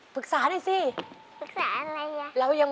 ปรึกษะมาเผ่ามันรับ